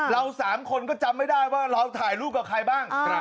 เรา๓คนก็จำไม่ได้ว่าเราถ่ายรูปกับใครบ้าง